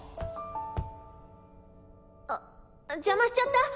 あ邪魔しちゃった？